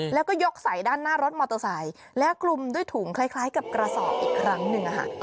แล้วก็ยกใส่ด้านหน้ารถมอเตอร์ไซค์แล้วคลุมด้วยถุงคล้ายกับกระสอบอีกครั้งหนึ่ง